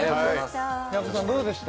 平子さんどうでした？